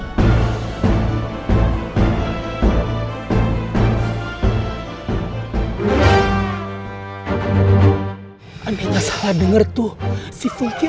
umi meminta mang kandar untuk menghubungi kalian untuk ini